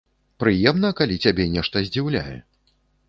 Прыемна, калі цябе нешта здзіўляе!